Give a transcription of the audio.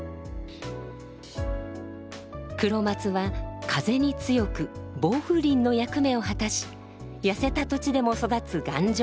黒松は風に強く防風林の役目を果たし痩せた土地でも育つ頑丈者。